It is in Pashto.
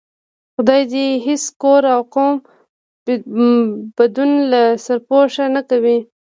خدا دې هېڅ کور او قوم بدون له سرپوښه نه کوي.